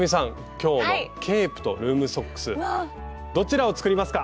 今日のケープとルームソックスどちらを作りますか？